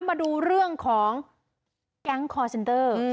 มาดูเรื่องของแก๊งคอร์เซนเตอร์